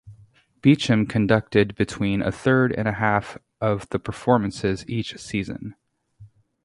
Beecham conducted between a third and half of the performances each season.